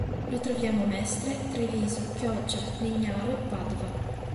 Lo troviamo a Mestre, Treviso, Chioggia, Legnaro, Padova.